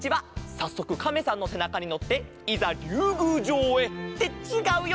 さっそくカメさんのせなかにのっていざりゅうぐうじょうへ。ってちがうよ！